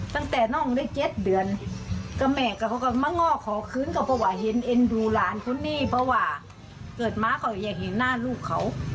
ตั้งแต่น้องได้๗เดือนก็แม่กับเขาก็มาง้อขอคืนก็เพราะว่าเห็นเอ็นดูหลานคนนี้เพราะว่าเกิดมาเขาอยากเห็นหน้าลูกเขา